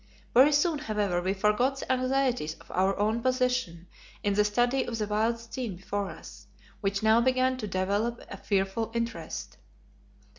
Very soon, however, we forgot the anxieties of our own position in the study of the wild scene before us, which now began to develop a fearful interest.